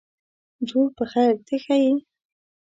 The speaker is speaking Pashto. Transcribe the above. جوړ په خیرته ښه یې.